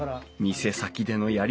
店先でのやり取り。